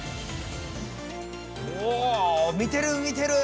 お見てる見てる！